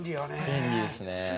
便利ですね。